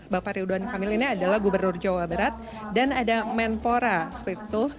bapak ridwan kamil ini adalah gubernur jawa barat dan ada menpora seperti itu